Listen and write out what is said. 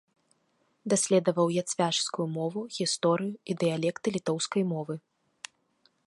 Даследаваў яцвяжскую мову, гісторыю і дыялекты літоўскай мовы.